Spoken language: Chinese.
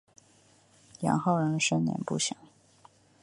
杨浩然生年不详。